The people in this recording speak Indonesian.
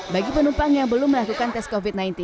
bagi penumpang yang belum melakukan tes covid sembilan belas